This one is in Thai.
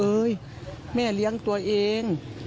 มีมนุษยสัมพันธ์ที่ดีกับประชาชนทุกคน